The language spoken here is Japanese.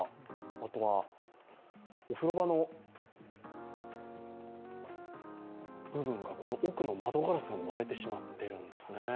あとはお風呂場の奥の窓ガラスが割れてしまってるんですね。